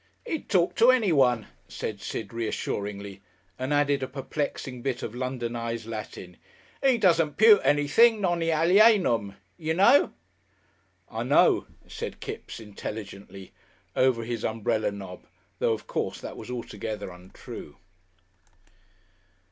He'd talk to anyone," said Sid, reassuringly, and added a perplexing bit of Londonized Latin. "He doesn't pute anything, non alienum. You know." "I know," said Kipps, intelligently, over his umbrella knob, though of course that was altogether untrue.